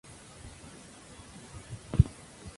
A veces se añaden otros elementos.